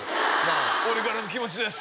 俺からの気持ちです。